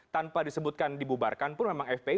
tanpa disebutkan dibubarkan pun memang fpi